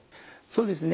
そうですね。